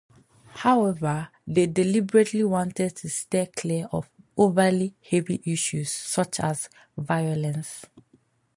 However, they deliberately wanted to steer clear of overly heavy issues, such as violence.